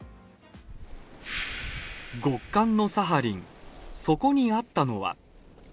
極寒のサハリン、そこにあったのは。